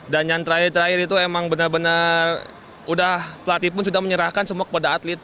dan yang terakhir terakhir itu emang bener bener udah pelatih pun sudah menyerahkan semua kepada atlet